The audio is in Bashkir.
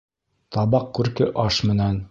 Табаҡ күрке аш менән.